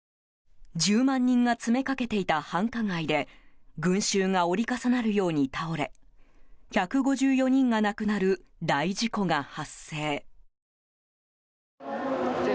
１０万人が詰めかけていた繁華街で群衆が折り重なるように倒れ１５４人が亡くなる大事故が発生。